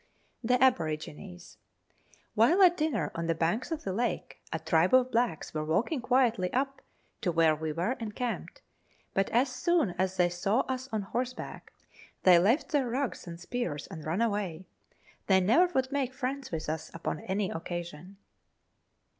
The Aborigines. While at dinner on the banks of the lake a tribe of blacks were walking quietly up to where we were encamped, but as soon as they saw us on horseback they left their rugs and spears and ran away. They never would make friends with us upon any occasion.